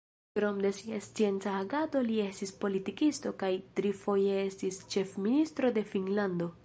Krom sia scienca agado li estis politikisto kaj trifoje estis ĉefministro de Finnlando.